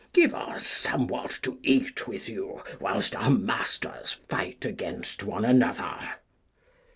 Give us somewhat to eat with you whilest our masters fight against one another.